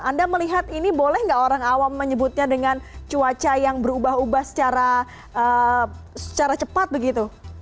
anda melihat ini boleh nggak orang awam menyebutnya dengan cuaca yang berubah ubah secara cepat begitu